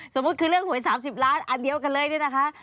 สมมุติคือเรื่องหวย๓๐ล้านอันเดียวกันเลยเนี่ยนะคะ